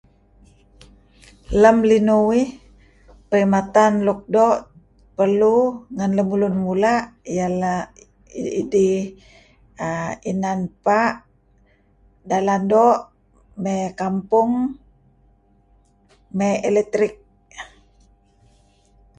Lem linuh uih perkhidmatan luk doo' perlu ngen lun mula' ieh lah idih inan pa', inan dalan doo' mey kampong, mey eletrik.